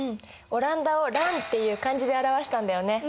オランダを「蘭」っていう漢字で表したんだよね。